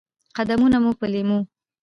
قدمونه مو په لېمو،